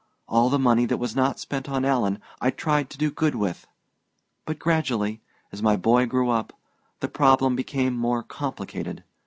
All the money that was not spent on Alan I tried to do good with. But gradually, as my boy grew up, the problem became more complicated.